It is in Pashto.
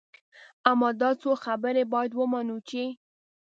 اما دا څو خبرې باید ومنو چې.